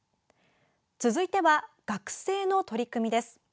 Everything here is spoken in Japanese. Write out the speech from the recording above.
続いては学生の取り組みです。